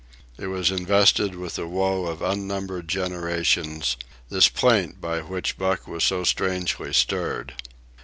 It was invested with the woe of unnumbered generations, this plaint by which Buck was so strangely stirred.